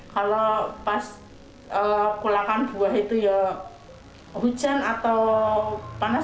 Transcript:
kalau pas kulakan buah itu ya hujan atau panas